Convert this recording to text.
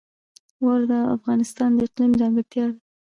واوره د افغانستان د اقلیم ځانګړتیا ده.